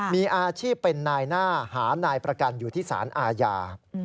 มีอาชีพเป็นนายหน้าหานายประกันอยู่ที่สารอาญา